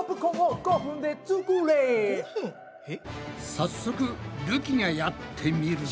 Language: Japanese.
早速るきがやってみるぞ。